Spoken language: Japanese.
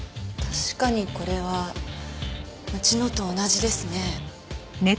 確かにこれはうちのと同じですね。